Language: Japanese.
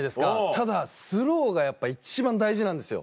ただスローがやっぱ一番大事なんですよ。